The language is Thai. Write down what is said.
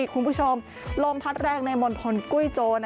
คุณผู้ชมลมพัดแรงในมณฑลกุ้ยโจ